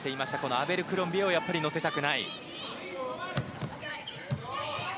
アベルクロンビエをやっぱり乗せたくない。